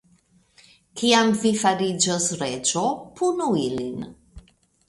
Kiam vi fariĝos reĝo, punu ilin.